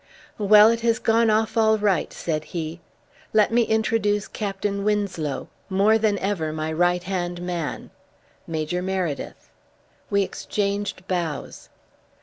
"Well, it has gone off all right," said he. "Let me introduce Captain Winslow, more than ever my right hand man Major Meredyth." We exchanged bows.